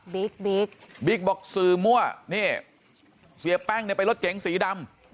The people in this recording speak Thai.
บิ๊กบิ๊กบอกสื่อมั่วนี่เสียแป้งเนี่ยไปรถเก๋งสีดำ